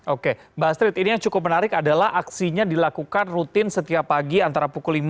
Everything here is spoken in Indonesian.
oke mbak astrid ini yang cukup menarik adalah aksinya dilakukan rutin setiap pagi antara pukul lima